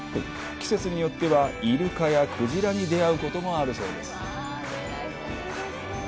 季節によっては、イルカやクジラに出会うこともあるそうです。